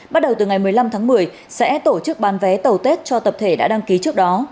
bắt đầu từ ngày một mươi năm tháng một mươi sẽ tổ chức bán vé tàu tết cho tập thể đã đăng ký trước đó